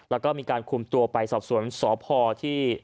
แล้วก็มีการคุมตัวไปสอบสวนสพที่